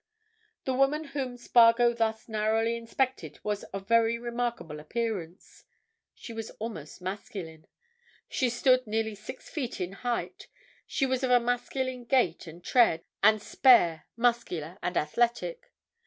The woman whom Spargo thus narrowly inspected was of very remarkable appearance. She was almost masculine; she stood nearly six feet in height; she was of a masculine gait and tread, and spare, muscular, and athletic.